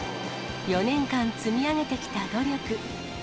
４年間積み上げてきた努力。